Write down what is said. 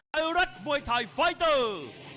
ไทยรัฐมวยไทยไฟเตอร์